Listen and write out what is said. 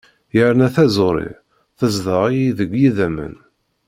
Yerna taẓuri tezdeɣ-iyi deg yidammen.